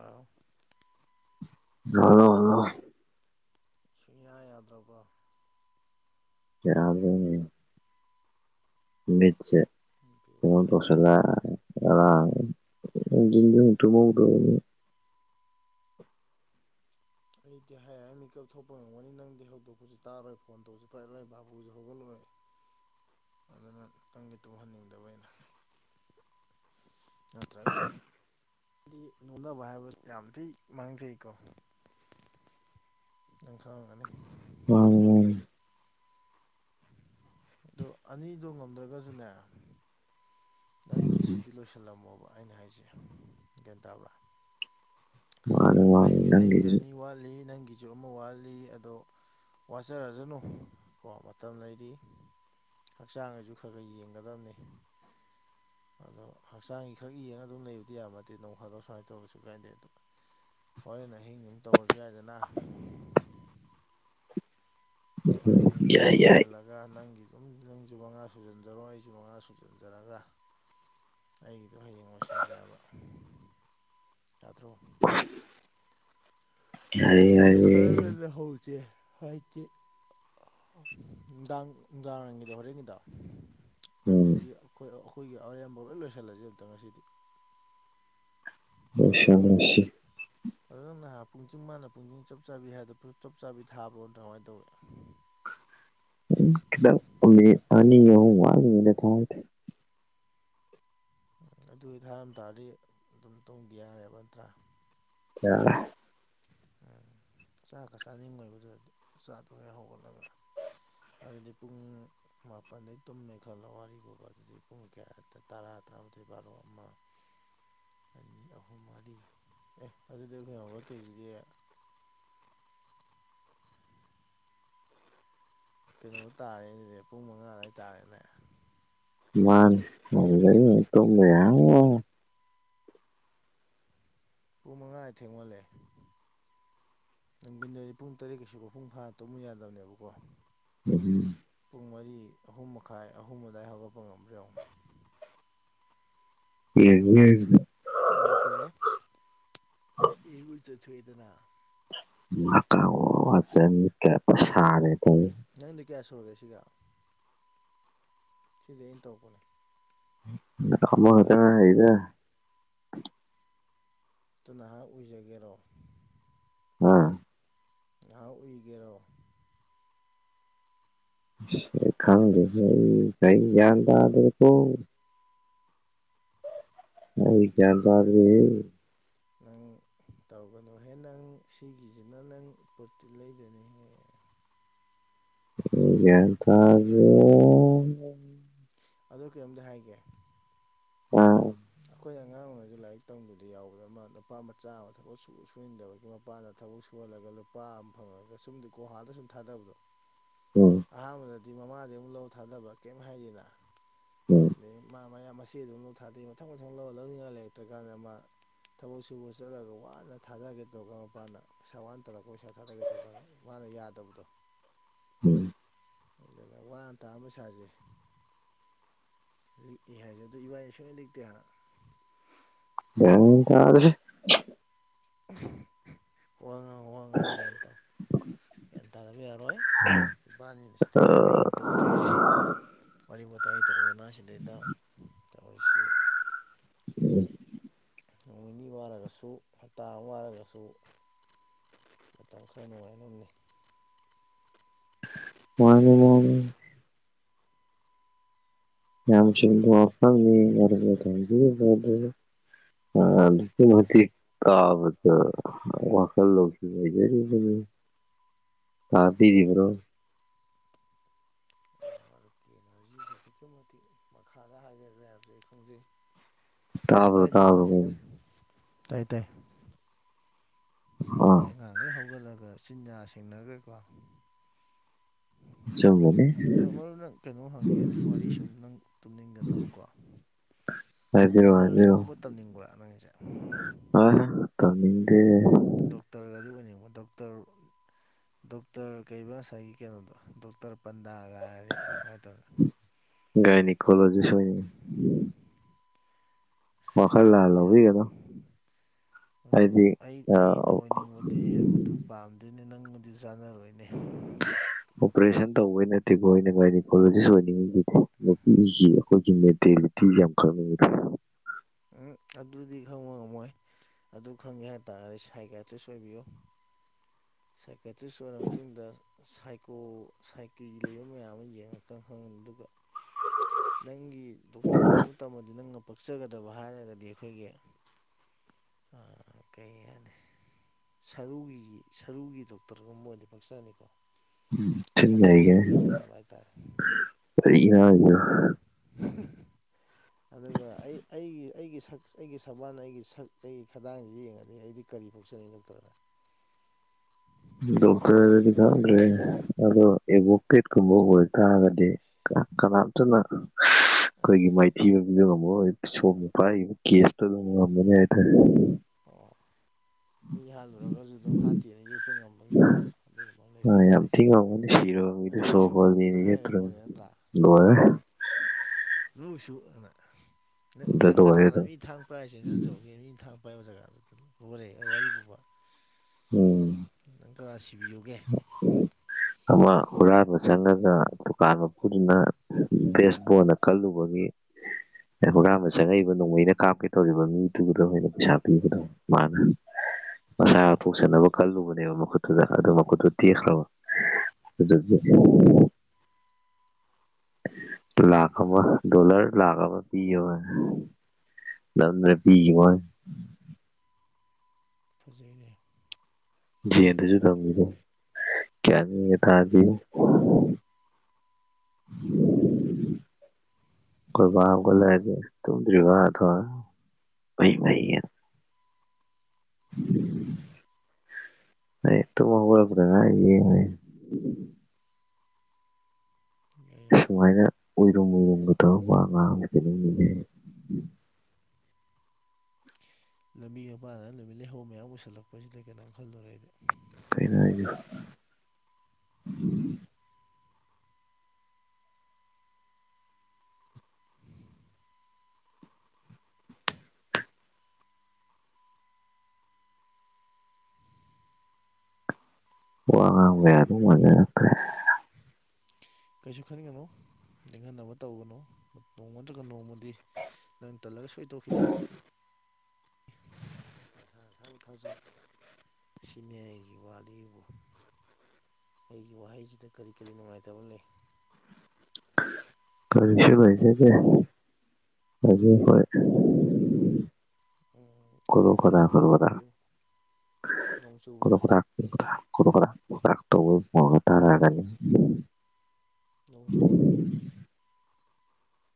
ꯍꯥꯎ hello hello ꯁꯨꯡꯌꯥ ꯌꯥꯗ꯭ꯔꯕꯣ ꯌꯥ ꯑꯗꯨ ꯃꯤꯠꯁꯦ [unintelligible] ꯕꯦꯔꯥꯅꯤ ꯇꯧꯁꯤꯜꯂ ꯉꯟꯔꯟ ꯅꯨꯗꯤꯟ ꯑꯃꯨꯛ ꯇꯨꯃꯍꯧꯗꯨ ꯑꯃꯨꯛ ꯑꯩꯗꯤ ꯍꯥꯏ ꯃꯤꯀꯞ ꯊꯣꯛꯄ ꯉꯝꯒꯅꯤ ꯅꯪꯗꯤ ꯍꯧꯗꯣꯛꯄꯁꯨ ꯇꯥꯔꯣꯏ ꯐꯣꯟ ꯇꯧꯕꯁꯨ ꯐꯔꯣꯏ ꯕꯥꯕꯨꯁꯨ ꯍꯧꯒꯠꯂꯣꯏ ꯑꯗꯨꯅꯇꯪꯒꯤ ꯇꯨꯝꯍꯟꯅꯤꯡꯗꯕ ꯑꯣꯏꯅ ꯅꯠꯇ꯭ꯔꯒ ꯗꯤ ꯅꯣꯛꯅꯕ ꯍꯥꯏꯕ ꯌꯥꯝ ꯊꯤ ꯃꯥꯡꯖꯩꯀꯣ ‌ꯅꯪ ꯈꯪꯉꯝꯒꯅꯤ ꯄꯪꯏ ꯗ‌ꯣ ꯑꯅꯤꯗꯣ ꯉꯝꯗ꯭ꯔꯒꯖꯨꯅꯦ ꯅꯪꯒꯤ ꯎꯝ ꯁꯤꯗꯤ ꯂꯣꯏꯁꯜꯂꯝꯃꯣꯕ ꯑꯩꯅ ꯍꯥꯏꯁꯦ ꯒ꯭ꯌꯥꯟ ꯇꯥꯕ꯭ꯔꯥ ꯃ ꯅ‌ꯦ ꯑꯩꯒꯤ ꯑꯩꯒꯤ ꯑꯅꯤ ꯋꯥꯠꯂꯤ ꯅꯪꯒꯤ ꯖꯨ ꯑꯃ ꯋꯥꯠꯂꯤ ꯑꯗꯣ ꯋꯥꯠꯆꯔꯖꯅꯨ ꯀꯣ ꯃꯇꯝ ꯂꯩꯔꯤ ꯍꯛꯆꯥꯡ ꯒꯖꯨ ꯈꯔ ꯈꯔ ꯌꯦꯡꯒꯗꯕꯅ‌ꯦ ꯑꯗꯣ ꯍꯛꯆꯥꯡꯒꯤ ꯈꯛ ꯌꯦꯡꯉꯒ ꯑꯗꯨꯝ ꯂꯩꯕꯗꯤ ꯌꯥꯕ ꯅꯠꯇ‌ꯦ ꯅꯣꯡꯐꯥꯗ‌ꯣꯛ ꯁꯨꯃꯥꯏꯅ ꯇꯧꯔꯁꯨ ꯀꯥꯏꯗꯦ ꯑꯗꯨꯣ ꯍꯣꯔꯦꯜ ꯑꯍꯤꯡ ꯑꯗꯨꯝ ꯇꯧꯔꯁꯨ ꯌꯥꯏꯗꯅ ꯍ‌ꯣꯌ‌ꯦꯜ ꯑꯍꯤꯡꯗ ꯑꯃꯝ ꯌꯥꯏ ꯃꯝ ꯌꯥꯏ ꯂ‌ꯣꯏꯁꯜ ꯂ ꯅꯪꯒꯤ ꯑꯗꯨꯝ ꯅꯪꯁꯨ ꯃꯉꯥ ꯁꯨꯖꯟꯖꯔꯣ ꯑꯩꯁꯨ ꯃꯉꯥ ꯁꯨꯖꯟꯖꯔꯒ ꯑꯩꯒꯤꯗꯣ ꯍꯌꯦꯡ ꯂꯣꯏꯁꯤꯟꯖ‌ꯦ ꯍꯥꯏꯕ ꯌꯥꯗ꯭ꯔꯣ ꯌꯥꯏꯌ‌ꯦ ꯌꯥꯏ ꯈꯔ ꯉꯟꯅꯥ ꯍꯧꯖ‌ꯦ ꯍꯥꯏꯀꯦ ꯅꯨꯡꯗꯥꯡ ꯅꯨꯡꯗꯥꯡ ꯋꯥꯏꯔꯝꯒꯤꯗ‌ꯣ ꯍꯣꯔꯦꯟꯒꯤꯗ‌ꯣ ꯎꯝ ꯑꯗꯒꯤ ꯑꯩꯈꯣꯏ ꯑꯩꯈꯣꯏꯒꯤ ꯑꯔꯦꯝꯕꯥ ꯂꯣꯏ ꯂꯣꯏꯁꯤꯜꯂꯖ‌ꯦ ꯑꯝꯇ ꯉꯁꯤꯗꯤ ꯂ‌ꯣꯏ ꯁꯜꯂꯁꯤ ꯑꯗꯨ ꯅꯍꯥꯟ ꯄꯨꯡꯆꯤꯡ ꯃꯥꯥꯟꯅ ꯄꯨꯡꯁꯤꯡ ꯆꯞ ꯆꯥꯕꯤ ꯍꯥꯏꯗ ꯆꯞ ꯆꯥꯕꯤ ꯊꯥꯕ꯭ꯔꯣ‌ ꯅꯠꯇ꯭ꯔꯥ ꯀꯃꯥꯏꯅ ꯇꯧꯏꯤ ꯈꯤꯇꯪ ꯍꯨꯝꯅꯤ ꯑꯅꯤ ꯑꯍꯨꯝ ꯋꯥꯠꯂꯤ ꯉꯥꯏꯗ ꯊꯥꯕꯅ‌ꯦ ꯑꯗꯨꯑ‌ꯣꯏ ꯊꯥꯔꯝ ꯇꯥꯔꯗꯤ ꯑꯗꯨꯝ ꯇꯨꯝꯒꯤ ꯌꯥꯔꯦꯕ ꯅꯠꯇ꯭ꯔꯥ ꯌꯥꯔ‌ꯦ ꯎꯝ ꯆꯥꯛꯀ ꯆꯥꯅꯤꯡꯉꯣꯏꯕꯗꯨꯗꯤ ꯆꯥꯛ ꯊꯑꯦ ꯍꯧꯒꯠꯂꯒ ꯑꯗꯨꯗꯤ ꯄꯨꯡ ꯃꯥꯄꯜꯗꯩ ꯇꯨꯝꯃꯦ ꯈꯜꯂꯣ ꯋꯥꯔꯤꯒꯨꯕ ꯑꯗꯨꯗꯤ ꯄꯨꯡ ꯀꯌꯥ ꯇꯔꯥ ꯇꯔꯥꯃꯥꯊꯣꯏ ꯕꯥꯔꯣ ꯑꯃ ꯑꯅꯤ ꯑꯍꯨꯝ ꯃꯔꯤ ꯑꯦ ꯑꯗꯨꯗꯤ ꯑꯈ‌ꯣꯏ ꯍꯧꯒꯠꯇꯣꯏꯁꯤꯗꯤ ꯀꯩꯅꯣ ꯇꯥꯔꯦ ꯑꯗꯨꯗꯤ ꯄꯨꯡ ꯃꯉꯥ ꯑꯗꯨꯋꯥꯏ ꯇꯥꯔꯦꯅꯦ ꯃꯥꯟ [unintelligible] ꯇꯨꯝꯕ ꯌꯕꯩ ꯋ ꯄꯨꯡ ꯃꯉꯥ ꯊꯦꯡꯃꯜꯂꯦ ꯅꯨꯡꯗꯤꯟꯗꯗꯤ ꯄꯨꯡ ꯇꯔꯦꯠ ꯀꯩꯁꯨ ꯃꯄꯨꯡ ꯐꯥꯅ ꯇꯨꯝꯃꯨ ꯌꯥꯗꯕꯅꯦꯕꯀꯣ [unintelligible] ꯄꯨꯡ ꯃꯔꯤ ꯑꯍꯨꯝ ꯃꯈꯥꯏ ꯑꯍꯨꯝ ꯑꯗꯥꯏ ꯍꯧꯒꯠꯄ ꯉꯝꯕ꯭ꯔꯥ ꯌꯦꯡꯑ‌ꯣ ꯌꯦꯡꯒ‌ꯦ ꯑꯗꯨꯒ ꯏꯔꯨꯖꯊꯣꯛꯑꯦꯗꯅ ꯍꯀꯥꯝ ꯋꯥ ꯋꯥ ꯆꯟꯅꯤꯗ ꯄꯩꯁꯥ ꯅ‌ꯦ ꯇꯧꯏ ꯅꯪꯗꯤ ꯀꯌꯥ ꯁꯨꯔꯒꯦ ꯁꯤꯒ ꯁꯤꯗꯤ ꯑꯩꯅ ꯇꯧꯔꯛꯄꯅꯦ ꯑꯃ ꯈꯇꯥ ꯉꯥꯏꯔꯤꯗ ꯑꯗꯨ ꯅꯍꯥꯛ ꯑꯣꯏꯖꯒꯦꯔꯣ ꯍꯥ ꯉꯍꯥꯛ ꯎꯏꯒꯦꯔꯣ ꯑ‌ꯩ ꯈꯪꯗ‌ꯦꯗ ꯑꯩ ꯀꯩ ꯒ꯭ꯌꯥꯟꯇꯥꯗ꯭ꯔ‌ꯦꯀ‌ꯣ ꯑ ꯆꯒꯗꯤ ꯅꯪ ꯇꯧꯒꯅꯨꯍꯦ ꯅꯪ ꯁꯤꯒꯤꯁꯤꯅ ꯅꯪ ꯄ꯭ꯔꯣꯇꯤꯟ ꯂꯩꯗꯣꯏꯅꯤꯍꯦ ꯒꯌ꯭ꯥꯟ ꯇꯥꯗꯦ ꯑꯗꯣ ꯀꯩꯅꯣꯝꯗꯤ ꯍꯥꯏꯒꯦ ꯑ ꯑꯈꯣꯏ ꯑꯉꯥꯡ ꯑꯣꯏꯔꯖꯨ ꯂꯥꯏꯔꯤꯛ ꯇꯝꯕꯗ ꯌꯥꯎꯕꯗ ꯑꯃ ꯅꯨꯄꯥ ꯃꯆꯥ ꯑꯃ ꯊꯕꯛ ꯁꯨ ꯁꯨꯅꯤꯡꯗꯕꯒꯤ ꯃꯄꯥꯅ ꯊꯕꯛ ꯁꯨꯍꯜꯂꯒ ꯂꯨꯞ__ ꯅꯨꯄꯥ ꯑꯃ ꯐꯪꯉꯒ ꯁꯨꯝ ꯗ ꯒꯨꯍꯥꯗ ꯁꯨꯝ ꯊꯥꯗꯕꯗꯣ ꯑꯍꯥꯟꯕꯗꯗꯤ ꯃꯃꯥꯗꯩ ꯑꯃꯨꯛ ꯂꯧ ꯊꯥꯗꯕ ꯀꯔꯤꯝ ꯍꯥꯏꯗꯤꯗ ꯑꯗꯩ ꯃꯥ ꯃꯌꯥꯝ ꯃꯁꯤ ꯑꯗꯨꯝ ꯂꯧ ꯊꯥꯗꯩ ꯃꯊꯪ ꯃꯊꯪ ꯂꯧ ꯂꯧꯅꯤꯡꯉꯥꯏ ꯂꯩꯔꯛꯇ꯭ꯔꯀꯥꯟꯗ ꯃꯥ ꯊꯕꯛ ꯁꯨꯕ ꯆꯠꯂꯒ ꯋꯥꯅ ꯊꯥꯗꯒꯦ ꯇꯧꯒ ꯃꯄꯥꯅ ꯄꯩꯁꯥ ꯋꯥꯅ ꯇꯥꯜꯂꯛꯄ ꯄꯩꯁꯥ ꯊꯥꯗꯒꯦ ꯑꯗꯨ ꯀꯥꯟꯗ ꯃꯥꯅ ꯌꯥꯗꯕꯗꯣ ꯑꯗꯨꯅꯦ ꯋꯥꯅ ꯇꯥꯟꯕ ꯄꯩꯁꯥꯖꯦ ꯑꯗꯨ ꯑꯦ ꯍꯥꯏꯖꯦ ꯑꯗꯣ ꯏꯕꯥꯏꯗꯤ ꯁꯨꯛꯂꯤꯛ ꯂꯤꯛꯇꯦ ꯍꯥꯏꯕ ꯒꯌ꯭ꯥꯟ ꯒꯥ ꯇꯥꯗꯦ ꯋꯥ -ꯉꯥꯡꯎ ꯋꯥ-ꯉꯥꯡꯎ ꯒ꯭ꯌꯥꯟ ꯇꯥꯎ ꯒ꯭ꯌꯥꯟ ꯇꯥꯗꯕ ꯌꯥꯔꯣꯏ ꯏꯕꯥꯅꯤꯅ ꯁꯤꯗꯩꯗ ꯑꯍꯤꯡ ꯇꯨꯝꯗ꯭ꯔꯤꯁꯤ ꯋꯥꯔꯤ ꯋꯥꯇꯥꯏ ꯇꯧꯗꯅ ꯁꯤꯗꯩꯗ ꯇꯧꯔꯤꯁꯤ ꯅꯣꯡ ꯅꯤꯅꯤ ꯋꯥꯔꯒꯁꯨ ꯍꯞꯇꯥ ꯑꯃ ꯋꯥꯔꯒꯁꯨ ꯃꯇꯝ ꯈꯔ ꯅꯨꯡꯉꯥꯏꯅꯕꯅꯤ ꯃꯥꯅꯤ ꯃꯥꯅꯤ ꯌꯥꯝ ꯆꯨꯝꯕ ꯋꯥꯐꯝꯅꯤ [unintelligible] [unintelligible] ꯃꯇꯤꯛ ꯀꯥꯕꯗ ꯋꯥꯈꯜ ꯂꯧꯁꯤꯡ ꯑꯣꯏꯖꯔꯤꯕꯅꯤ ꯇꯥꯕꯤꯔꯤꯕ꯭ꯔꯣ ꯃꯔꯨꯞꯀꯤ ꯑꯦꯅꯔꯖꯤꯁꯦ ꯑꯁꯨꯛꯀꯤ ꯃꯇꯤꯛ ꯃꯈꯥꯗ ꯍꯥꯏꯗꯒ꯭ꯔꯦ ꯍꯥꯏꯕꯁꯦ ꯑꯩ ꯈꯪꯖꯩ ꯀꯩꯁꯨ ꯀꯥꯏꯗꯦ ꯇꯥꯏ-ꯇꯥꯏ ꯅꯨꯕꯤ ꯑꯉꯥꯡꯒꯩ ꯍꯧꯒꯠꯂꯒ ꯆꯤꯟ ꯌꯥ ꯁꯦꯡꯅꯒ꯭ꯔꯦꯀꯣ ꯑꯗꯣ ꯃꯔꯨꯞ ꯅꯪ ꯀꯩꯅꯣꯝ ꯍꯪꯒꯦ ꯋꯥꯔꯤ ꯁꯨꯝ ꯅꯪ ꯇꯨꯝꯅꯤꯡꯗꯅꯕꯀꯣ ꯅꯔ꯭ꯁ ꯀꯨꯝꯕ ꯇꯝꯅꯤꯡꯕ꯭ꯔꯥ ꯅꯪꯖꯦ ꯑꯁ ꯇꯝꯅꯤꯡꯗꯦ ꯗꯣꯛꯇ꯭ꯔꯒꯗꯤ ꯑꯣꯏꯅꯤꯡꯕꯔꯥ ꯗꯣꯛꯇ꯭ꯔ ꯗꯣꯛꯇꯔ ꯀꯩꯕ ꯉꯁꯥꯏꯒꯤ ꯀꯩꯅꯣꯗꯣ ꯗꯣꯛꯇꯔ ꯄꯟꯗꯥꯒ ꯍꯥꯏꯔꯤ ꯁꯨꯃꯥꯏꯅ ꯇꯧꯅꯤ ꯒꯥꯏꯅꯤꯀꯣꯂꯣꯖꯤꯁ ꯑꯣꯏꯅꯤꯡꯉꯦ ꯏꯁ ꯑꯗꯨ ꯌꯥꯝ ꯑꯗꯨ ꯍꯥꯏꯗꯤ ꯑꯩ ꯑꯩꯅ ꯑꯣꯏꯅꯤꯡꯕꯗꯤ ꯃꯗꯨ ꯄꯥꯝ ꯑꯗꯨꯗꯤ ꯅꯪꯒꯗꯤ ꯆꯥꯟꯅꯔꯣꯏꯅꯦ ꯑꯣꯄ꯭ꯔꯦꯁꯟ ꯇꯧꯕꯩ ꯅꯠꯇꯦꯀꯣ ꯑꯩꯅ ꯒꯥꯏꯅꯤꯀꯣꯂꯣꯖꯤꯁ ꯑꯣꯏꯅꯤꯡꯉꯤꯗꯤ ꯅꯨꯄꯤꯖꯦ ꯑꯈꯣꯏꯒꯤ ꯃꯦꯟꯇꯦꯂꯤꯇꯤꯖꯦ ꯌꯥꯝ ꯈꯪꯅꯤꯡꯉꯦ ꯎꯝ ꯑꯗꯨꯗꯤ ꯈꯪꯕ ꯉꯝꯃꯣꯏ ꯑꯗꯨ ꯈꯪꯒꯦ ꯍꯥꯏꯇꯥꯥꯔꯒꯗꯤ ꯁꯥꯏꯀꯥꯏꯇ꯭ꯔꯤꯁ ꯑꯣꯏꯕꯤꯌꯨ ꯁꯥꯏꯀꯥꯏꯇ꯭ꯔꯤꯁ ꯑꯣꯏꯔꯥ ꯃꯇꯨꯡꯗ ꯁꯥꯏꯀꯣꯜ ꯁꯥꯏꯀꯤ ꯂꯩꯕ ꯃꯌꯥꯝ ꯑꯃ ꯌꯦꯡꯉꯒ ꯈꯪꯉꯅꯤ ꯑꯗꯨꯒ ꯅꯪꯒꯤ ꯗꯣꯛꯇꯔꯒꯨꯝꯕ ꯇꯝꯃꯗꯤ ꯅꯪꯅ ꯄꯛꯆꯒꯗꯕ ꯍꯥꯏꯔꯒꯗꯤ ꯑꯩꯈꯣꯏꯒꯤ ꯑ ꯀꯩ ꯍꯥꯏꯅꯤ ꯁꯔꯨꯒꯤ ꯁꯔꯨꯒꯤ ꯗꯣꯛꯇꯔꯒꯨꯝꯕ ꯑꯣꯏꯔꯗꯤ ꯄꯛꯆꯔꯅꯤꯀꯣ ꯊꯤꯅ ꯁꯛꯇꯣ ꯁꯔꯨ ꯍꯩꯒꯅꯤ ꯌꯥꯝ ꯃꯥꯟꯕ ꯍꯥꯏꯇꯥꯔꯦ ꯍꯝ ꯀꯔꯤꯅꯣ ꯍꯥꯏꯁꯤꯕꯣ ꯑꯗꯨꯒ ꯑꯩ ꯑꯩꯒꯤ ꯑꯩꯒꯤ ꯁꯛ ꯑꯩꯒꯤ ꯁꯕꯥꯟ ꯑꯩꯒꯤ ꯁꯛ ꯑꯩꯒꯤ ꯈꯗꯥꯡꯖꯤ ꯌꯦꯡꯉꯗꯤ ꯑꯩꯗꯤ ꯀꯔꯤ ꯄꯛꯆꯅꯤ ꯗꯣꯛꯇꯔ [inaudible] ꯗꯣꯛꯇ꯭ꯔꯗꯗꯤ ꯈꯪꯗ꯭ꯔꯦꯅꯦ ꯑꯗꯣ ꯑꯦꯕꯣ ꯀꯦꯠ ꯀꯨꯝꯕ ꯑꯣꯏꯇꯥꯥꯔꯒꯗꯤ ꯑꯁ ꯀꯅꯥꯝꯇꯅ ꯑꯈꯣꯏꯒꯤ ꯑꯁ ꯃꯥꯏꯊꯤꯕ ꯄꯤꯕ ꯉꯥꯝꯃꯣꯏ ꯁꯣꯝꯅ ꯄꯥꯏꯔꯤꯕ ꯀꯦꯁꯇꯨ ꯑꯗꯨꯝ ꯉꯝꯒꯅꯤ ꯍꯥꯏ ꯇꯥꯔꯦ ꯑꯣ ꯃꯤ ꯍꯥꯠꯂꯨꯔꯒꯖꯨ ꯑꯗꯨꯝ ꯍꯥꯠꯇꯦꯅ ꯌꯦꯠ ꯄꯥ ꯉꯝꯕꯒꯤꯀꯣ ꯑꯗꯨꯒꯨꯝꯕ ꯑꯃ ꯑ, ꯂꯩꯕ ꯌꯥꯝ ꯍꯥꯏꯇꯥꯔꯦ ꯊꯤ ꯉꯝꯒꯅꯤ ꯁꯤꯔꯕ ꯑꯗꯨ ꯑꯣꯏꯔꯁꯨꯅ ꯍꯥꯏꯔ ꯂꯣꯏꯔꯦ ꯅꯠꯇ꯭ꯔꯥ ꯂ‌ꯣꯏꯔ‌ꯦ ꯑꯗꯨ ꯑꯣꯏꯁꯨꯅ ꯑꯝꯇ ꯅꯪ ꯂꯣꯏꯔꯦ ꯀꯅꯥꯅ ꯑꯗꯨꯝ ꯃꯤ ꯊꯥꯡ ꯄꯥꯏꯔ ꯆꯦꯟꯖꯟꯖꯧꯒꯦ ꯃꯤ ꯊꯥꯡ ꯄꯥꯏꯕ ꯖꯒꯥꯗꯨꯗ ꯍꯣꯔꯦ ꯋꯥꯔꯤ ꯕꯨꯕ ꯎꯝ ꯅꯪ ꯀꯥꯅ ꯁꯤꯕꯤꯌꯨꯒꯦ [inaudible] ꯑꯃ ꯍꯨꯔꯥꯜꯕ ꯆꯪꯉꯒ ꯗꯨꯀꯥꯟ ꯃꯄꯨꯗꯨꯅ ꯕꯦꯁꯕꯣꯜꯅ ꯀꯜꯂꯨꯕꯒꯤ ꯍꯨꯔꯥꯟꯕ ꯆꯪꯉꯛꯏꯕ ꯅꯣꯡꯃꯩꯅ ꯀꯥꯞꯀꯦ ꯇꯧꯔꯤꯕ ꯃꯤꯗꯨꯕꯨꯗ ꯑꯣꯏꯅ ꯄꯩꯁꯥ ꯄꯤꯒꯗꯝꯅꯤ ꯃꯥꯅꯦ ꯃꯁꯥ ꯉꯥꯛꯊꯣꯛꯆꯅꯕ ꯀꯜꯂꯨꯕꯅꯦꯕ ꯃꯈꯨꯠꯇꯨꯗ ꯑꯗꯨ ꯃꯈꯨꯠꯇꯨ ꯇꯦꯛꯈ꯭ꯔꯕ ꯑꯗꯨ ꯕꯨꯗꯤ ꯂꯥꯈ ꯑꯃ ꯗꯣꯂꯔ ꯂꯥꯈ ꯑꯃ ꯄꯤꯌ‌ꯣꯅ ꯅꯝꯗ ꯄꯤꯒꯤ ꯕꯩ ꯋꯥ ꯅꯤ ꯐꯖꯩꯅꯦ ꯖꯦ ꯗꯁꯨ ꯊꯝꯃꯨꯔꯦ ꯒꯌ꯭ꯥꯟ ꯃꯦꯉꯥ ꯇꯥꯗꯦ ꯍꯦ [inaudible] ꯀꯣꯏꯕꯥ ꯀꯧꯕ ꯂꯒ ꯇꯗꯔꯤꯕꯥ ꯊ ꯑꯩ ꯇꯨꯝ ꯍꯧꯒꯣꯠꯂꯛꯄꯇ ꯉꯥꯏꯔꯤꯌꯦ ꯑꯦ ꯁꯨꯃꯥꯏꯅ ꯎꯏꯔꯨꯝ- ꯎꯏꯔꯨꯝꯒ ꯇꯧꯔꯒ ꯋꯥ ꯉꯥꯡꯕꯖꯦ ꯀꯩꯅꯣꯝ ꯅꯤꯡꯖꯤꯡꯉꯦ꯫ ꯂꯝꯕꯤꯒ ꯃꯄꯥꯟꯅ ꯂꯝꯕꯤ ꯂꯩꯍꯧ ꯃꯌꯥꯝ ꯄꯨꯁꯜꯂꯛꯄꯁꯤꯗ ꯀꯩꯅꯣꯝ ꯈꯜꯂꯨꯔ ꯑꯩꯗꯤ ꯀꯩꯅꯣ ꯍꯥꯏꯖꯤꯕꯨ [inaudible] ꯋꯥ ꯉꯥꯡꯕ ꯃꯊꯧ ꯃꯟꯗꯦꯗ ꯀꯩꯁꯨ ꯈꯟꯒꯅꯣ ꯅꯤꯡꯍꯟꯅꯕ ꯇꯧꯒꯅꯨ ꯅꯣꯡꯃ ꯅꯠꯇ꯭ꯔꯒ ꯅꯣꯡꯃ ꯗꯨꯗꯤ ꯅꯪ ꯇꯜꯂꯒ ꯁꯣꯏ ꯇꯣꯛꯈꯤꯅꯤ ꯅꯁꯥ ꯅꯁꯥꯕꯨ ꯊꯥꯁꯎꯛ ꯁꯤꯅꯤꯉꯥꯏꯒꯤ ꯋꯥꯔꯤꯕꯨ ꯑꯩꯒꯤ ꯋꯥꯍꯩꯖꯤꯗ ꯀꯔꯤ-ꯀꯔꯤ ꯅꯨꯡꯉꯥꯏꯇꯕ ꯂꯩ ꯀꯔꯤꯁꯨ ꯂꯩꯖꯗꯦ ꯍꯧꯖꯤ ꯍꯣꯏ ꯎꯝ ꯀꯣꯗꯣ ꯀꯗꯥ ꯈꯔꯤꯗꯔꯁꯤ ꯂꯩꯔ ꯀꯣꯗꯣ ꯀꯗꯥ ꯉꯥꯡꯕꯤꯌꯨ ꯅꯣꯡ ꯆꯨꯕ꯭ꯔꯣ [unintelligible] ꯅꯣꯡꯁꯤꯔꯤꯕ꯭ꯔꯕ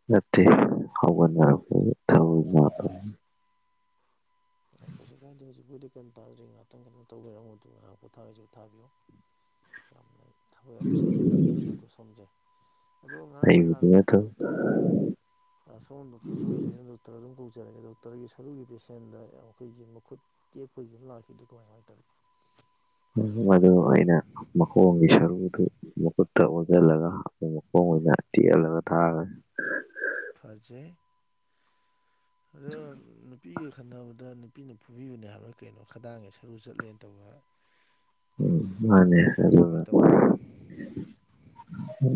ꯅꯠꯇꯦ ꯍꯧꯒꯠꯅꯔꯛꯄ ꯊ ꯀꯩꯁꯨ ꯀꯥꯏꯗꯦ ꯍꯧꯖꯤꯛꯄꯣꯏꯗꯤ ꯀꯩꯅꯣ ꯇꯥꯗ꯭ꯔꯤ ꯉꯍꯥꯛꯇꯪ ꯈꯇꯪ ꯇꯧꯕꯤꯔꯝꯃ ꯃꯇꯨꯡ ꯉꯥꯏꯍꯥꯛ ꯄꯣꯊꯥꯁꯤ ꯊꯥꯕꯤꯌꯨ ꯌꯥꯝꯅ ꯊꯕꯛ ꯌꯥꯝ ꯆꯤꯟꯖꯕ ꯃꯤꯅꯤꯅꯀ ꯁꯣꯝꯁꯦ ꯑꯗꯣ ꯉꯔꯥꯡ ꯑꯩꯕꯨꯗꯤ ꯅꯍꯥꯟ ꯅꯠꯇꯕ ꯗꯣꯛꯇꯔꯒꯤ ꯁꯒꯣꯝ ꯗꯣꯛꯇꯔꯁꯨ ꯑꯣꯏꯕꯅꯤꯅ ꯗ ꯗꯣꯛꯇꯔ ꯑꯗꯨꯝ ꯀꯧꯖꯔꯒꯦ ꯗꯣꯛꯇꯔꯒꯤ ꯁꯔꯨꯒꯤ ꯄꯦꯁꯦꯟꯗ ꯑꯩꯈꯣꯏꯒꯤ ꯃꯈꯨꯠ ꯇꯦꯛꯄꯒꯤꯨꯝ ꯂꯥꯛꯈꯤꯗꯦ ꯀꯃꯥꯏ ꯀꯃꯥꯏꯅ ꯇꯧꯋꯤ ꯃ ꯑꯩꯅ ꯃꯈꯣꯡꯒꯤ ꯁꯔꯨꯗꯨ ꯃꯈꯨꯠꯇ ꯑꯣꯟꯁꯤꯜꯂꯒ ꯃꯈꯣꯡ ꯑꯣꯏꯅ ꯇꯦꯜꯜꯂꯒ ꯊꯥꯔꯒ ꯐꯖꯩ ꯑꯗꯣ ꯅꯨꯄꯤꯒ ꯈꯟꯅꯕꯗ ꯅꯨꯄꯤꯅ ꯐꯨꯕꯤꯕꯅꯦ ꯍꯥꯏꯕ ꯀꯩꯅꯣ ꯈꯗꯥꯡꯉꯦ ꯁꯔꯨ ꯆꯠꯂꯦꯅ ꯇꯧꯕ ꯎꯝ ꯅꯨꯄꯥ ꯑꯃ ꯃꯥꯅꯦ ꯂꯥꯛꯄꯗꯨꯗ ꯑꯗꯨꯅ ꯀꯃꯥꯏꯅ ꯇꯧꯈ꯭ꯔꯦ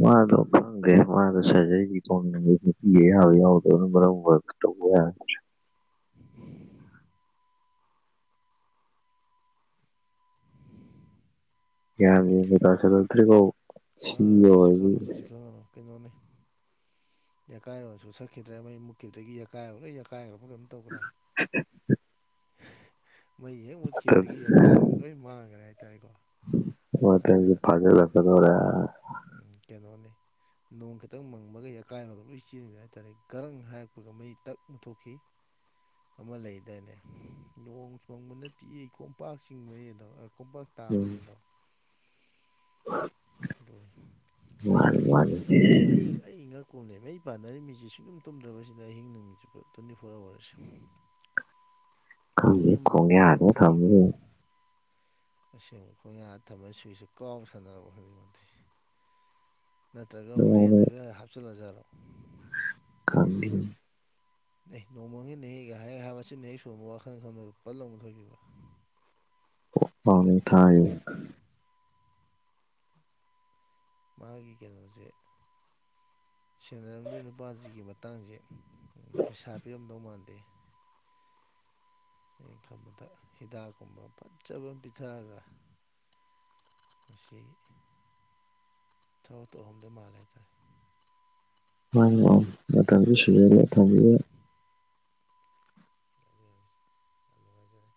ꯃꯥꯗꯣ ꯐꯪꯒꯦ ꯃꯥꯗꯣ ꯁꯖꯩꯒꯤ ꯐꯣꯡꯅꯤꯡꯦ ꯅꯨꯄꯤꯒꯌꯥꯎ ꯌꯥꯎꯗꯕꯅ ꯃꯔꯝ ꯑꯣꯏꯔ ꯇꯧꯕ ꯌꯥ [inaudible] ꯒꯥꯟ ꯃꯦꯟꯒ ꯇꯥꯁꯤꯜꯂꯛꯇꯔꯦꯀꯣ ꯀꯩꯁꯨ ꯈꯪꯅꯨ ꯀꯩꯁꯨ ꯈꯪꯉꯅꯨ ꯀꯩꯅꯣꯅꯤ ꯌꯥꯀꯥꯏꯔꯣꯁꯨ ꯁꯛꯈꯤꯗ꯭ꯔꯦ ꯃꯩ ꯃꯨꯠꯈꯤꯕꯗꯒꯤ ꯌꯀꯥꯏꯔꯣ ꯂꯣꯏ ꯌꯀꯥꯏꯈ꯭ꯔꯕ ꯀꯩꯝ ꯇꯧꯈ꯭ꯔꯦ ꯃꯩ ꯍꯦꯛ ꯃꯇꯝ ꯃꯨꯠꯈꯤꯕꯗꯒꯤ ꯑꯀꯥꯏꯕꯗ ꯂꯣꯏ ꯃꯥꯡꯈ꯭ꯔꯦ ꯍꯥꯏꯇꯥꯔꯦꯀꯣ ꯃ ꯇꯦꯡ ꯐꯖ ꯂꯗꯣꯔ ꯎꯝ ꯀꯩꯅꯣꯅꯦ ꯅꯣꯡ ꯈꯤꯇꯪ ꯃꯪꯕꯒ ꯑꯀꯥꯏꯕꯒ ꯂꯣꯏ ꯆꯦꯟꯒ꯭ꯔꯦ ꯍꯥꯏꯇꯥꯔꯦ ꯔꯪ ꯍꯥꯏꯔꯛꯄꯒ ꯃꯩ ꯇꯛ ꯃꯨꯊꯣꯛꯈꯤ ꯑꯃ ꯂꯩꯗꯥꯏꯅꯦ ꯅꯣꯡ ꯆ ꯐꯪꯕ ꯅꯠꯇꯦ ꯈꯣꯝꯄꯥꯛ ꯆꯤꯡꯕꯅꯤ ꯑꯗꯣ ꯈꯣꯝꯄꯥꯛ ꯎꯝ ꯇꯥꯕꯅꯤꯗ ꯑꯗꯨꯅꯤ ꯃꯩꯒꯤ [unintelligible] ꯑꯩ ꯉꯛ ꯀꯣꯝꯂꯕ ꯑꯩ ꯄꯥꯟꯅꯔꯤꯃꯤꯁꯤꯦ ꯁꯨꯡꯛꯨꯝ ꯇꯨꯝꯗ꯭ꯔꯕꯁꯤꯅ ꯑꯍꯤꯡ ꯅꯨꯃꯤꯠ ꯆꯨꯞꯄ ꯇ꯭ꯋꯦꯟꯇꯤ ꯐꯣꯔ ꯑꯋꯥꯔꯁꯦ ꯈꯪꯗꯦ ꯅꯣꯡꯍꯦꯝꯃꯒ ꯄꯠ ꯈꯣꯡꯌꯥꯗ ꯃꯨꯊꯣꯏꯈꯤꯕ ꯊꯝꯃꯤꯁꯦ ꯑꯁꯦꯡꯕ ꯈꯣꯏ ꯉ ꯊꯝꯕ ꯁꯨꯏꯁꯤꯦ ꯀꯥꯎ ꯁꯥꯟꯅꯔꯕ ꯈꯗꯤꯡꯃꯛ ꯅꯠꯇ꯭ꯔꯒ ꯑꯗꯨꯃꯥꯏꯅ ꯕ꯭ꯔꯦꯟꯗꯒ ꯍꯥꯞꯆꯤꯜꯂꯖꯔꯣ ꯀꯃꯤ ꯅ ꯅꯣꯡꯃꯒꯤ ꯅ ꯍꯦꯛꯒ ꯍꯥꯏꯦꯛꯒ ꯍꯥꯏꯕꯁꯤꯅ ꯍꯦꯛ ꯁꯣꯟꯕ ꯋꯥꯈꯜ ꯈꯟꯕꯒ ꯄꯜꯂꯧꯅ ꯊꯣꯏꯈꯤꯕ ꯃꯅꯤ ꯊ ꯃꯥꯒꯤ ꯀꯩꯅꯣꯁꯦ ꯁꯦꯟꯅꯔꯝꯗ ꯅꯨꯄꯥꯁꯤꯒꯤ ꯃꯇꯥꯡꯁꯦ ꯄꯩꯁꯥ ꯄꯤꯔꯝꯗꯧ ꯃꯥꯟꯗꯦ ꯑꯩꯅ ꯈꯟꯕꯗ ꯍꯤꯗꯥꯛꯀꯨꯝꯕ ꯐꯖꯕ ꯑꯃ ꯄꯤꯊꯔꯒ ꯉꯁꯤ ꯊꯥ ꯇꯣꯛ ꯑꯍꯝꯗ ꯃꯥꯜꯂꯦ ꯍꯥꯏꯇꯥꯔꯦ ꯍꯝ ꯊꯥꯡꯁꯨ ꯁꯨꯖꯅ ꯊꯥꯡꯕꯤꯦ ꯌꯥꯅꯤ ꯌꯥꯅꯤ ꯌꯥꯝ ꯅꯨꯡꯉꯥꯏꯖꯔꯦ